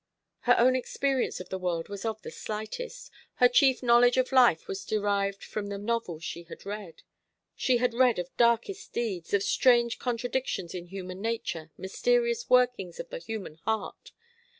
Her own experience of the world was of the slightest. Her chief knowledge of life was derived from the novels she had read. She had read of darkest deeds, of strange contradictions in human nature, mysterious workings of the human heart.